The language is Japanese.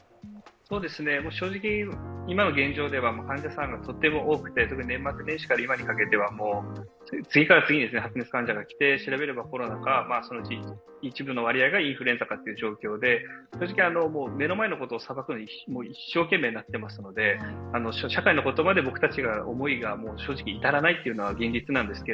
正直、今の現状では患者さんがとても多くて特に年末年始から今にかけては次から次に発熱患者が来て調べればコロナか、一部の割合がインフルエンザかという状況で目の前のことをさばくのに一生懸命になっていますので、社会のことまで僕たちは思いが正直至らないのが現実です。